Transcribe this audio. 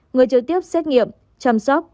người trực tiếp xét nghiệm chăm sóc